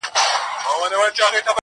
دوی پخپله هم یو بل سره وژله!!